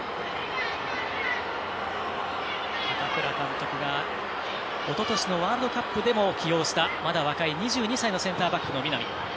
高倉監督がおととしのワールドカップでも起用した、まだ若い２２歳のセンターバックの南。